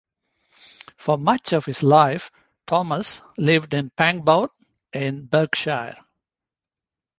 For much of his life, Thomas lived in Pangbourne in Berkshire.